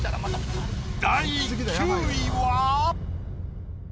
第９位は？